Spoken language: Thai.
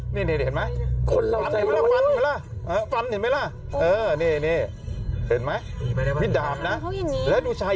เห็นไหมล่ะฟันเห็นไหมล่ะน่ะ